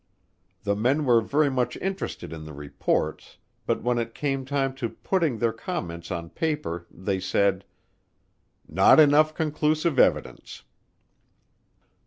The men were very much interested in the reports, but when it came time to putting their comments on paper they said, "Not enough conclusive evidence."